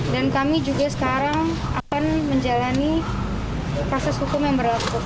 dan kami juga sekarang akan menjalani proses hukum yang berlaku